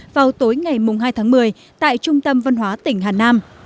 vào tối ngày hai tháng một mươi tại trung tâm văn hóa tỉnh hà nam